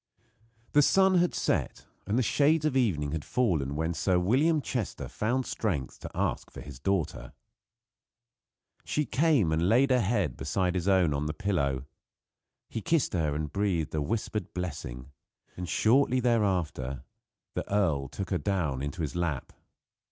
The sun had set and the shades of evening had fallen when Sir William Chester found strength to ask for his daughter. She came and laid her head beside his own on the pillow. He kissed her and breathed a whispered blessing; and shortly thereafter the earl took her down into his lap.